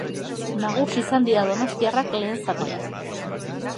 Nagusi izan dira donostiarrak lehen zatian.